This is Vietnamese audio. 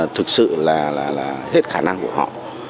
thực sự là hết khả năng của họ